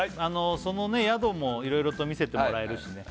そのね宿もいろいろと見せてもらえるしね